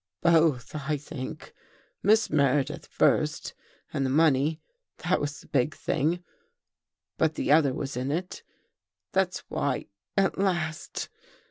" Both, I think. Miss Meredith first and the money — that was the big thing, but the other was in it. That's why, at last